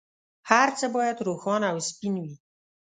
هر څه باید روښانه او سپین وي.